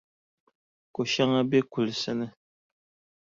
Koʼ shɛŋa be kulisi ni.